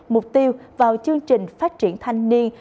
mục tiêu vào chương trình phát triển thanh niên